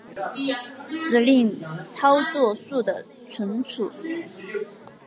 指令操作数的存储